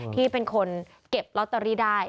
ที่เป็นคนเก็บลอตเตอรี่ได้